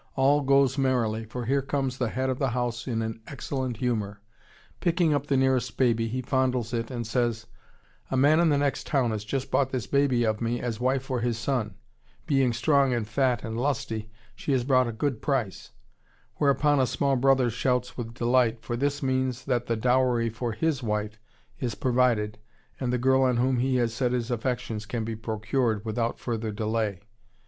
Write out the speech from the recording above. All goes merrily, for here comes the head of the house in an excellent humor. Picking up the nearest baby, he fondles it and says, "A man in the next town has just bought this baby of me as wife for his son. Being strong and fat and lusty, she has brought a good price." Whereupon a small brother shouts with delight, for this means that the dowry for his wife is provided and the girl on whom he has set his affections can be procured without further delay.